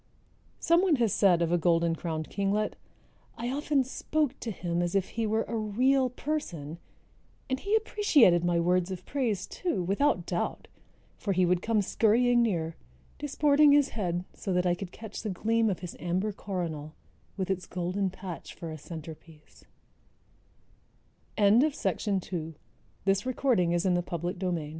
Someone has said of a Golden crowned Kinglet: "I often spoke to him as if he were a real person; and he appreciated my words of praise, too, without doubt, for he would come scurrying near, disporting his head so that I could catch the gleam of his amber coronal, with its golden patch for a center